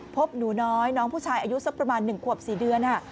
พบหนูน้อยผู้ชายประมาณอายุ๑ขวบ๔เดือน